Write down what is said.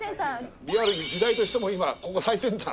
リアルに時代としても今ここが最先端？